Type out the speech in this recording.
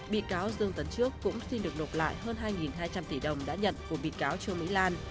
bị cáo dương tấn trước cũng xin được nộp lại hơn hai hai trăm linh tỷ đồng đã nhận của bị cáo trương mỹ lan